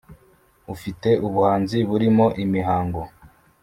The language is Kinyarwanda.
ufite ubuhanzi burimo imihango